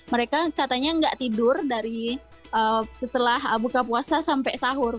mereka katanya nggak tidur dari setelah buka puasa sampai sahur